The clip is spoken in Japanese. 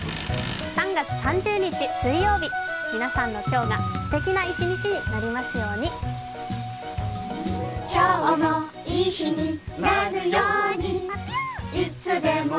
３月３０日水曜日皆さんの今日がすてきな一日になりますように。